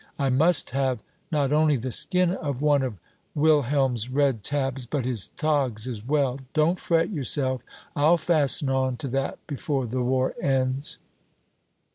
I must have not only the skin of one of Wilhelm's red tabs, but his togs as well. Don't fret yourself; I'll fasten on to that before the war ends."